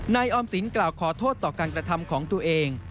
ออมสินกล่าวขอโทษต่อการกระทำของตัวเอง